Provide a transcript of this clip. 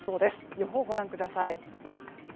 予報、ご覧ください。